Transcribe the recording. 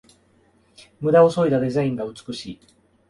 ムダをそいだデザインが美しい